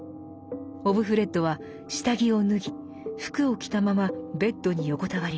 オブフレッドは下着を脱ぎ服を着たままベッドに横たわります。